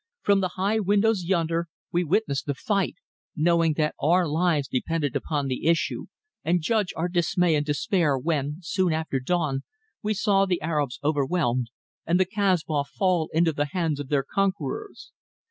From the high windows yonder we witnessed the fight, knowing that our lives depended upon its issue, and judge our dismay and despair when, soon after dawn, we saw the Arabs overwhelmed and the Kasbah fall into the hands of their conquerors.